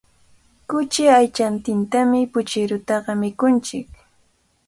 Kuchi aychantintami puchirutaqa mikunchik.